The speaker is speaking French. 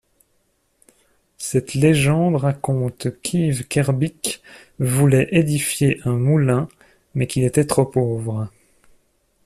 Cette légende raconte qu'Yves Kerbic voulait édifier un moulin mais qu'il était trop pauvre.